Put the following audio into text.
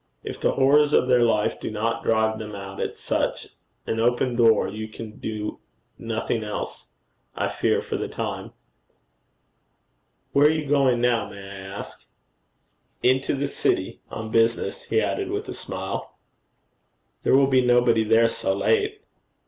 If the horrors of their life do not drive them out at such an open door, you can do nothing else, I fear for the time.' 'Where are you going now, may I ask?' 'Into the city on business,' he added with a smile. 'There will be nobody there so late.'